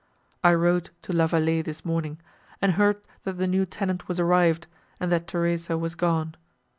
I rode to La Vallée this morning, and heard that the new tenant was arrived, and that Theresa was gone.